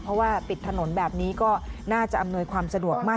เพราะว่าปิดถนนแบบนี้ก็น่าจะอำนวยความสะดวกมาก